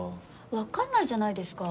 わかんないじゃないですか。